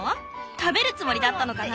食べるつもりだったのかな？